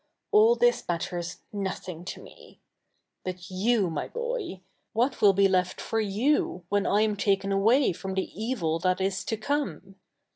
All this matters nothing to me. But you, my boy — what zv ill be left for you, whe?i I am taken aivav from the evil that is to come